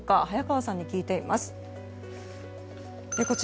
早川さんに聞いています。